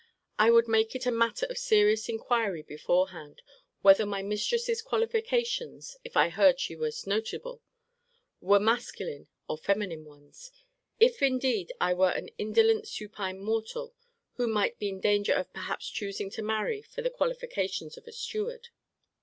I would make it a matter of serious inquiry beforehand, whether my mistress's qualifications, if I heard she was notable, were masculine or feminine ones. If indeed I were an indolent supine mortal, who might be in danger of perhaps choosing to marry for the qualifications of a steward.